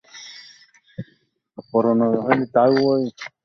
এটি কে নির্মাণ করেছেন তা নিয়ে মতপার্থক্য রয়েছে।